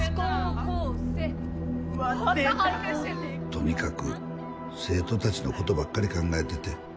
とにかく生徒たちのことばっかり考えてて。